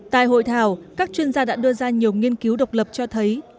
tại hội thảo các chuyên gia đã đưa ra nhiều nghiên cứu độc lập cho thấy